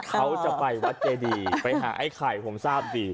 เขาจะไปวัดเจดีไปหาไอ้ไข่ผมทราบดี